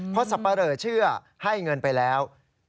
เพราะสับปะเหลอเชื่อให้เงินไปแล้ว